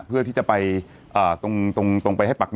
เพื่อที่จะไปตรงไปให้ปากคำ